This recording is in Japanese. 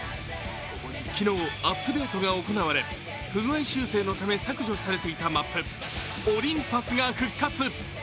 昨日、アップデートが行われ、不具合修正のため削除されていたマップ・オリンパスが復活。